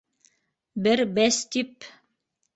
Бер бәс тип...